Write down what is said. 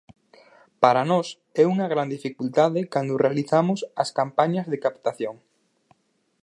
"Para nós é unha gran dificultade cando realizamos as campañas de captación".